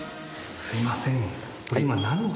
すいません！